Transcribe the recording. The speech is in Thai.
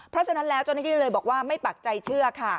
เพราะฉะนั้นแล้วจริงเลยบอกว่าไม่ปักใจเชื่อค่ะ